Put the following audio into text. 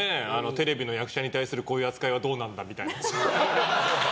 テレビの役者に対するこういう扱いはどうなんだみたいな。